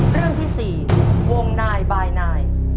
เรื่องที่๔วงนายบายนาย